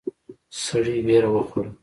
سړی وېره وخوړه.